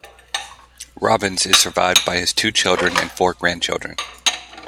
Robbins is survived by his two children and four grandchildren.